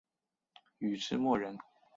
禹之谟人。